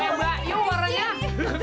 udah este mbak